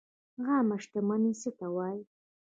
عامه شتمني څه ته وایي؟